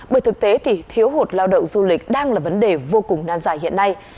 bởi thực tế thì thiếu hụt lao động du lịch đang là vấn đề vô cùng nan dài hiện nay